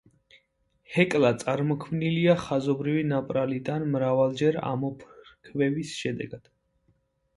ჰეკლა წარმოქმნილია ხაზობრივი ნაპრალიდან მრავალჯერ ამოფრქვევის შედეგად.